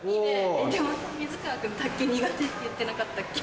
でもさ水川君卓球苦手って言ってなかったっけ。